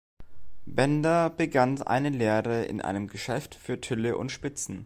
Bender begann eine Lehre in einem Geschäft für Tülle und Spitzen.